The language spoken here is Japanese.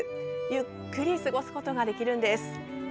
ゆっくり過ごすことができるんです。